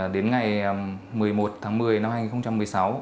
đến ngày một mươi một tháng một mươi năm hai nghìn một mươi sáu